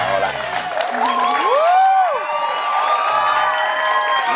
เอาล่ะเอาล่ะ